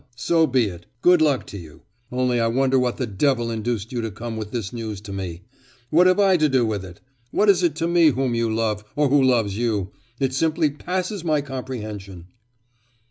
so be it! Good luck to you! Only I wonder what the devil induced you to come with this news to me.... What have I to do with it? What is it to me whom you love, or who loves you? It simply passes my comprehension.